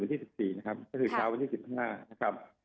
ที่๑๔นะครับก็คือเช้าวันที่๑๕นะครับ